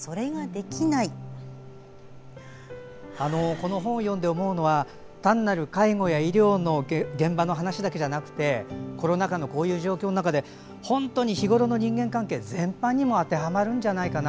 この本を読んで思うのは単なる介護や医療の現場の話だけじゃなくてコロナ禍のこういう状況の中で日ごろの人間関係全般にも当てはまるんじゃないかな。